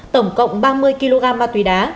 tổng cộng ba mươi kg ma túy đá